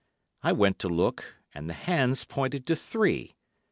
I went to look, and the hands pointed to three.